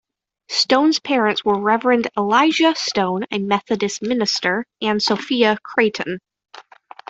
Stone's parents were Reverend Elijah Stone, a Methodist minister, and Sophia Creighton.